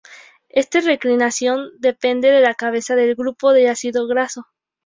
Esta declinación depende de la cabeza del grupo del ácido graso.